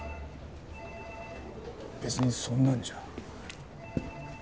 別にそんなんじゃ。